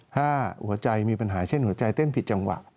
ถ้าหัวใจมีปัญหาเช่นหัวใจเต้นผิดจังหวะ